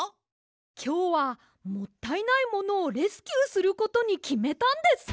きょうはもったいないものをレスキューすることにきめたんです！